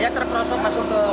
dia terperosot masuk ke bawah